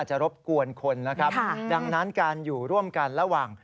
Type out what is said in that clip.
ตรงนี้ตรง